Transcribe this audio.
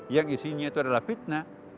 yang isinya itu adalah fitnah